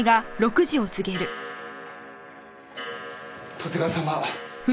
十津川様。